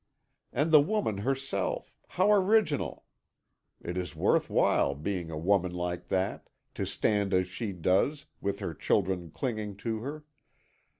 and the woman herself, how original! It is worth while being a woman like that, to stand as she does, with her children clinging to her.